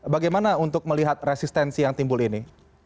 bagaimana untuk melihat resistensi yang timbul ini